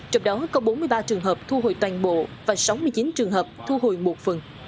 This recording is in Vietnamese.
trong đó có bốn mươi ba trường hợp thu hồi toàn bộ và sáu mươi chín trường hợp thu hồi một phần